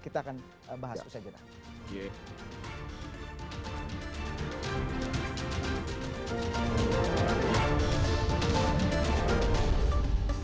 kita akan bahas itu saja